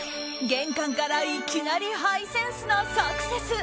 玄関からいきなりハイセンスなサクセス！